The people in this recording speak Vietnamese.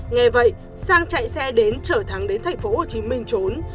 nghe vậy sang chạy xe đến chở thắng đến tp hcm trốn